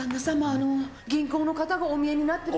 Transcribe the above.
あの銀行の方がお見えになってるみたいですけど。